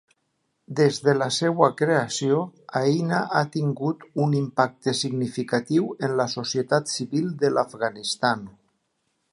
Des de la seva creació, Aina ha tingut un impacte significatiu en la societat civil de l'Afganistan.